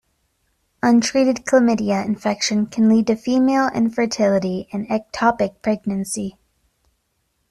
Untreated chlamydia infection can lead to female infertility and ectopic pregnancy.